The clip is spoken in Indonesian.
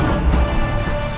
aku mau ke kanjeng itu